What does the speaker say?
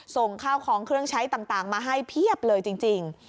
ส่งข้าวของเครื่องใช้ต่างมาให้เพียบเลยจริง